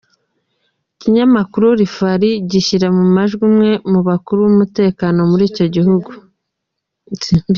Ikinyamakuru Le Phare gishyira mu majwi umwe mu bakuru b’umutekano muri icyo gihugu.